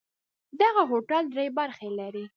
دغه هوټل درې برخې لري.